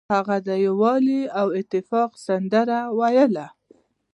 هغه د یووالي او اتفاق سندره ویله.